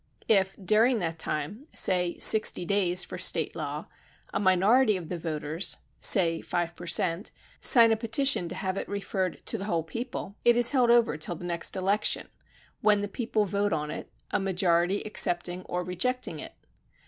If during that time â say sixty days for State law â a minority of the voters â say five per cent â sign a petition to have it referred to the whole people, it is held over till the next election, when the people vote on it, a majority accepting or rejecting it.